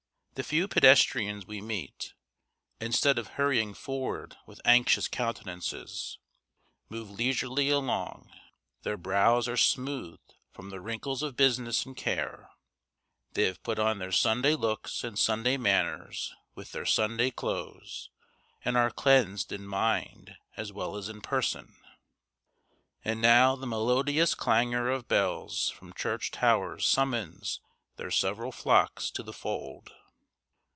The few pedestrians we meet, instead of hurrying forward with anxious countenances, move leisurely along; their brows are smoothed from the wrinkles of business and care; they have put on their Sunday looks and Sunday manners with their Sunday clothes, and are cleansed in mind as well as in person. And now the melodious clangor of bells from church towers summons their several flocks to the fold.